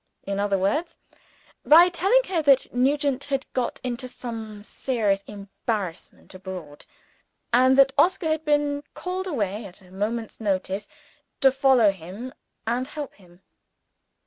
In other words, by telling her that Nugent had got into some serious embarrassment abroad, and that Oscar had been called away at a moment's notice, to follow him and help him.